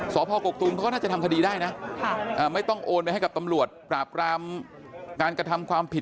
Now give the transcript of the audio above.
สพกกตูมเขาก็น่าจะทำคดีได้นะไม่ต้องโอนไปให้กับตำรวจปราบรามการกระทำความผิด